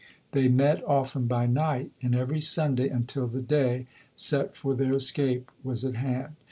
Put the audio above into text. They met often by night and every Sunday un til the day set for their escape was at hand.